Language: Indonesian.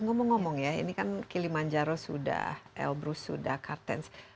ngomong ngomong ya ini kan kilimanjaro sudah elbrus sudah kartens